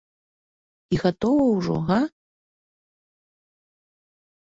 І гатова ўжо, га?